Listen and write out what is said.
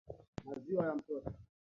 Maziwa ya mtoto.